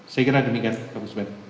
saya kira demikian pak usman